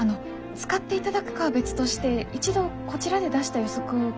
使っていただくかは別として一度こちらで出した予測を聞いてもらえませんか？